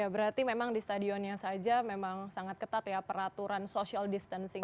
berarti memang di stadionnya saja memang sangat ketat ya peraturan social distancing